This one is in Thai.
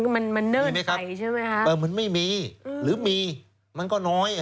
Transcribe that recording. มันเนิ่นไขมั้ยครับมันไม่มีหรือมีมันก็น้อย